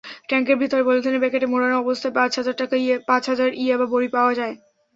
ট্যাংকের ভেতরে পলিথিনের প্যাকেটে মোড়ানো অবস্থায় পাঁচ হাজার ইয়াবা বড়ি পাওয়া যায়।